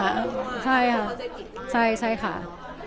อย่างตัวเราเองเพราะว่าแสว่างตรงหายไปแล้ว